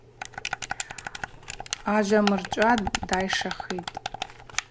Ажвамырчӏва дайшахитӏ.